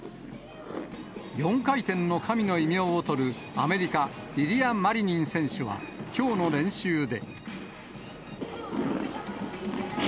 ４回転の神の異名を取る、アメリカ、イリア・マリニン選手は、きょうの練習で。